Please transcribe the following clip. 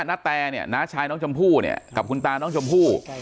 นาแตเนี่ยน้าชายน้องชมพู่เนี่ยกับคุณตาน้องชมพู่